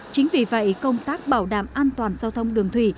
chính vì vậy công tác bảo đảm an toàn giao thông đường thủy